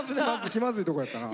気まずいとこやったな。